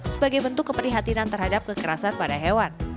sebagai bentuk keprihatinan terhadap kekerasan pada hewan